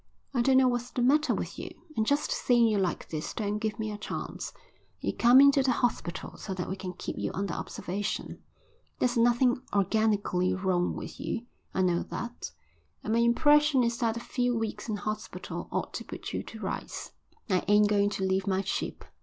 I don't know what's the matter with you, and just seeing you like this don't give me a chance. You come into the hospital so that we can keep you under observation. There's nothing organically wrong with you, I know that, and my impression is that a few weeks in hospital ought to put you to rights." "I ain't going to leave my ship."